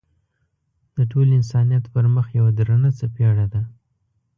د ټول انسانیت پر مخ یوه درنه څپېړه ده.